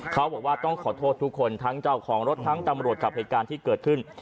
เขาบอกว่าต้องขอโทษทุกคนทั้งเจ้าของรถทั้งตำรวจกับเหตุการณ์ที่เกิดขึ้น